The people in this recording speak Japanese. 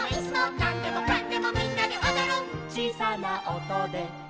「なんでもかんでもみんなでおどる」「ちいさなおとでかんこんかん」